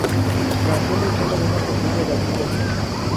Nació en el seno de una familia de arquitectos.